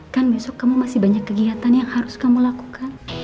kan besok kamu masih banyak kegiatan yang harus kamu lakukan